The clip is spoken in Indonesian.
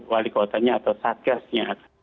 wali kotanya atau satgasnya